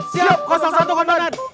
siap satu kompeten